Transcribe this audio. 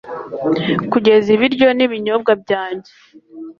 Kugeza ibiryo n'ibinyobwa byanjye